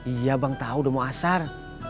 iya bang tahu udah mau asar